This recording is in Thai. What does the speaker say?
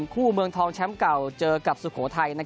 คู่เมืองทองแชมป์เก่าเจอกับสุโขทัย